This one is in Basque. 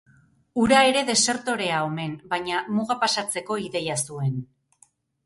Hura ere desertorea omen, baina muga pasatzeko ideia zuen.